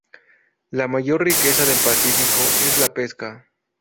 La mayor riqueza del Pacífico es la pesca.